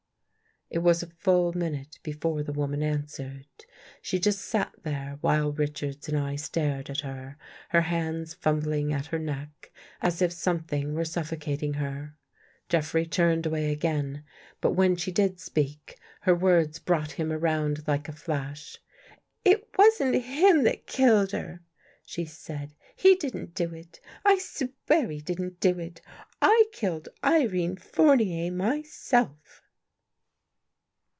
" It was a full minute before the woman answered. She just sat there while Richards and I stared at her, her hands fumbling at her neck, as if some thing were suffocating her. Jeffrey turned away again, but when she did speak, her words brought him around like a flash. " It wasn't him that killed her," she said. " He didn't do it. I swear he didn't do it. I killed Irene Fournier myself."